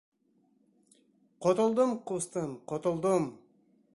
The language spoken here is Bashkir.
Ҡотолдом, ҡустым, ҡотолдом!